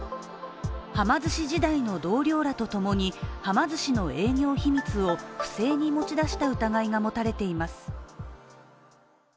はま寿司時代の同僚らとともにはま寿司の営業秘密を不正に持ち出した疑いが持たれています。